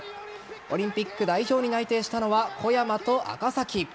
オリンピック代表に内定したのは小山と赤崎。